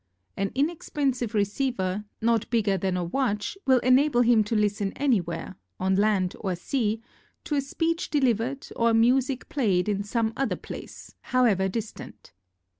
An inexpensive receiver, not bigger than a watch, will enable him to listen anywhere, on land or sea, to a speech delivered or music played in some other place, however distant.